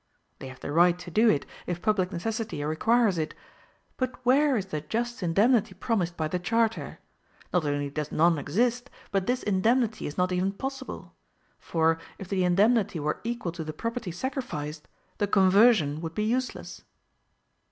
They have the right to do it, if public necessity requires it; but where is the just indemnity promised by the charter? Not only does none exist, but this indemnity is not even possible; for, if the indemnity were equal to the property sacrificed, the conversion would be useless.